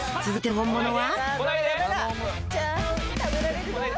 続いての本物は。